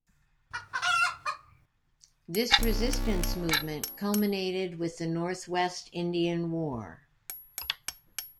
This resistance movement culminated with the Northwest Indian War.